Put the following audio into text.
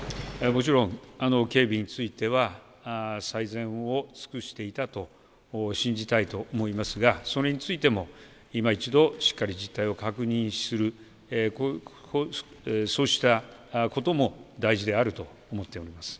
もちろん警備については最善を尽くしていたと信じたいと思いますがそれについてもいま一度しっかり実態を確認するそうしたことも大事であると思っております。